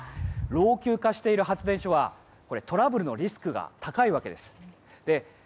老朽化している発電所はトラブルのリスクが高いわけです。